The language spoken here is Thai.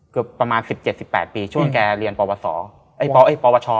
ก็ประมาณ๑๗๑๘ปีช่วงแกเรียนปวช